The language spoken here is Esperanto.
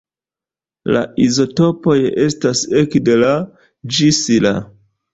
La izotopoj estas ekde La ĝis La.